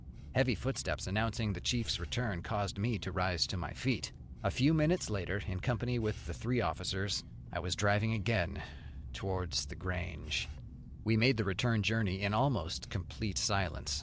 Heavy footsteps, announcing the chief's return, caused me to rise to my feet. A few minutes later, in company with the three officers, I was driving again towards The Grange. We made the return journey in almost complete silence.